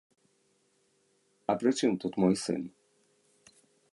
А пры чым тут мой сын?